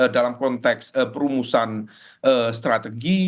dalam konteks perumusan strategi